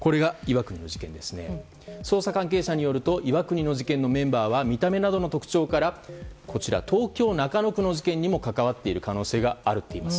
捜査関係者によると岩国の事件のメンバーは見た目などの特徴から東京・中野区の事件にも関わっている可能性があるといいます。